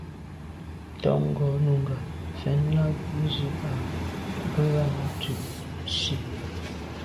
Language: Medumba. Tɔ̌ ngɔ́ nùngà mfɛ̀n lá bə́ zə̄ à’ bə́ á dʉ̀’ nsí.